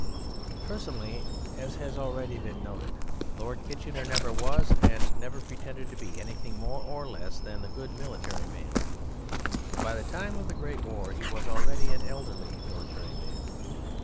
Personally, as has already been noted, Lord Kitchener never was and never pretended to be anything more or less than the good military man, and by the time of the Great War he was already an elderly military man.